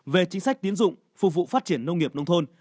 về chính sách tiến dụng phục vụ phát triển nông nghiệp nông thôn